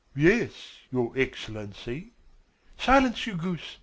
"Yes, your Excellency." "Silence, you goose.